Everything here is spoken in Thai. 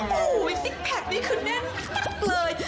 โอ้โฮสิกแพ็กนี่คือเด็นตั๊กเลย